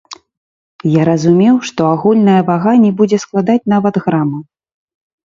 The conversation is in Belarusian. Я разумеў, што агульная вага не будзе складаць нават грама.